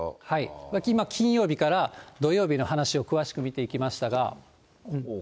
今、金曜日から土曜日の話を詳しく見ていきましたが。